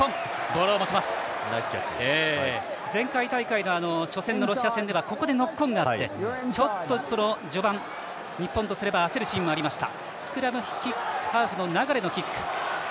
前回大会の初戦のロシア戦ではここでノックオンになって、序盤日本とすれば焦るシーンもありました。